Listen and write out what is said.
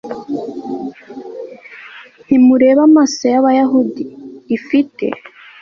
ntimureba amaso y'abayahudi? ifite